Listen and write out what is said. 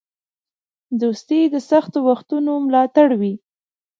دوستي د سختو وختونو ملاتړی وي.